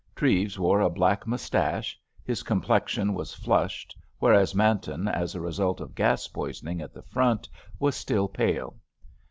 Treves wore a black moustache; his complexion was flushed, whereas Manton, as a result of gas poisoning at the Front, was still pale.